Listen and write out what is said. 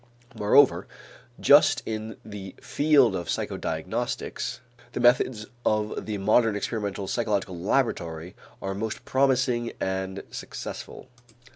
Moreover, just in the field of psychodiagnostics, the methods of the modern experimental psychological laboratory are most promising and successful.